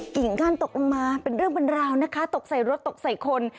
กิ่งกั้นตกลงมาเป็นเรื่องเป็นราวนะคะตกใส่รถตกใส่คน